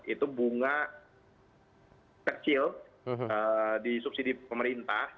itu bunga kecil di subsidi pemerintah